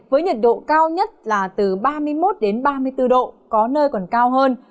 với nhiệt độ cao nhất là từ ba mươi một ba mươi bốn độ có nơi còn cao hơn